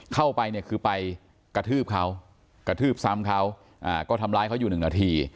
เข้าไปเนี่ยคือไปกระทืบเขากระทืบซ้ำเขาก็ทำร้ายเขาอยู่หนึ่งนาที